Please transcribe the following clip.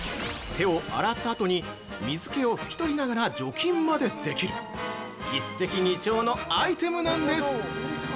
手を洗ったあとに水気を拭きとりながら除菌までできる一石二鳥のアイテムなんです！